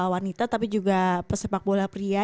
wanita tapi juga pesepak bola pria